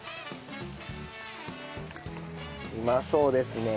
うまそうですね。